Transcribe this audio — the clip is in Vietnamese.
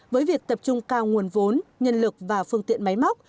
với việc tập trung cao nguồn vốn nhân lực và phương tiện máy móc